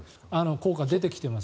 効果、出てきてます